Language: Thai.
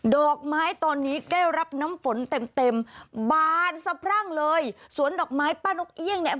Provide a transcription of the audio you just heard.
ดอกไม้ตอนนี้ได้รับน้ำฝนเต็มเต็มบานสะพรั่งเลยสวนดอกไม้ป้านกเอี่ยงเนี่ย